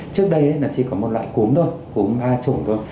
trước đây chỉ có một loại cúm thôi cúm a chủng thôi